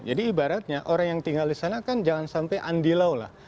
jadi ibaratnya orang yang tinggal di sana kan jangan sampai andilau lah